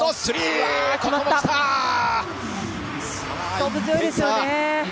勝負強いですよね。